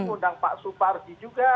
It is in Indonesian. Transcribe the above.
undang pak supardi juga